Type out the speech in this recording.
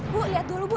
bu lihat dulu bu